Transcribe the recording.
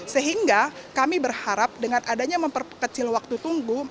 sehingga kami berharap dengan adanya memperkecil waktu tunggu